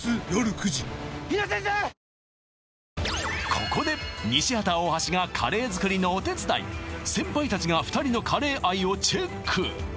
ここで西畑・大橋がカレー作りのお手伝い先輩達が２人のカレー愛をチェック